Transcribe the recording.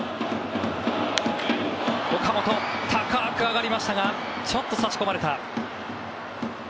岡本、高く上がりましたがちょっと差し込まれた。